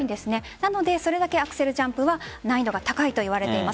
なので、それだけアクセルジャンプは難易度が高いといわれています。